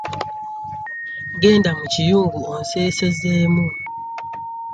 Genda mu kiyungu onseesezeemu.